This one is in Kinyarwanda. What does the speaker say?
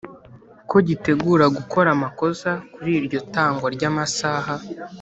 Ko gitegura gukora amakosa kuri iryo tangwa ry’amasaha